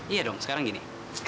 iya dong sekarang gini